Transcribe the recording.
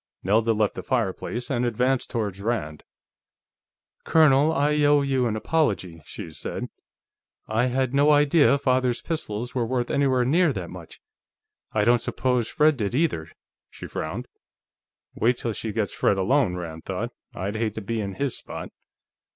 Nelda left the fireplace and advanced toward Rand. "Colonel, I owe you an apology," she said. "I had no idea Father's pistols were worth anywhere near that much. I don't suppose Fred did, either." She frowned. Wait till she gets Fred alone, Rand thought; I'd hate to be in his spot....